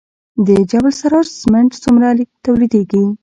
د جبل السراج سمنټ څومره تولیدیږي؟